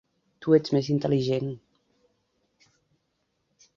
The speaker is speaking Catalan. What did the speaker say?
Tu ets més intel·ligent.